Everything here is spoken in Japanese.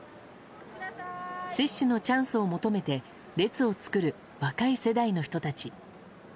接種のチャンスを求めて列を作る若い世代の人たち。